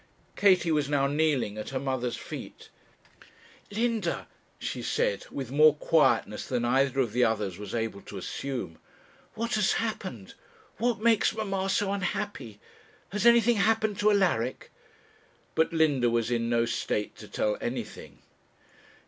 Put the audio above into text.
Katie was now kneeling at her mother's feet. 'Linda,' she said, with more quietness than either of the others was able to assume, 'what has happened? what makes mamma so unhappy? Has anything happened to Alaric?' But Linda was in no state to tell anything.